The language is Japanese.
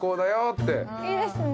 いいですね